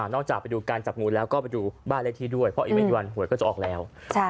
จากไปดูการจับงูแล้วก็ไปดูบ้านเลขที่ด้วยเพราะอีกไม่กี่วันหวยก็จะออกแล้ว